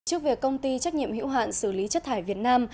trước việc công ty trách nhiệm hiệu hạn xử lý chất thải việt nam